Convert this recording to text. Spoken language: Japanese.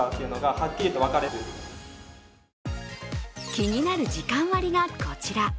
気になる時間割がこちら。